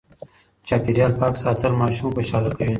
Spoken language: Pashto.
چاپېريال پاک ساتل ماشوم خوشاله کوي.